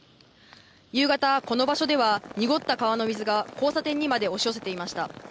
夕方、この場所では濁った川の水が交差点にまで押し寄せていました。